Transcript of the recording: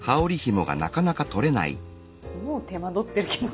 もう手間取ってるけど。